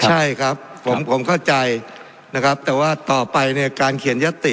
ใช่ครับผมผมเข้าใจนะครับแต่ว่าต่อไปเนี่ยการเขียนยติ